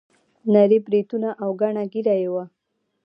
نري بریتونه او ګڼه نه ږیره یې وه.